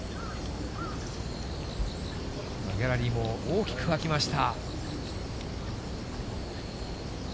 このギャラリーも大きく沸きました。